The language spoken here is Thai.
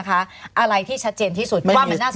อะไรที่ชัดเจนที่สุดความน่าสงสัย